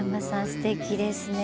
すてきですね。